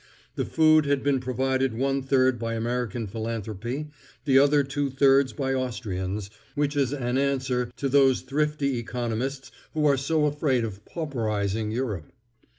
The food had been provided one third by American philanthropy, the other two thirds by Austrians—which is an answer to those thrifty economists who are so afraid of pauperising Europe.